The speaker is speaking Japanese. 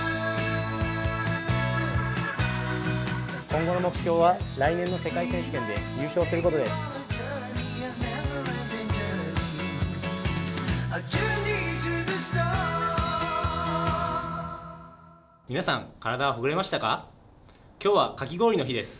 今後の目標は来年の世界選手権で優勝することです。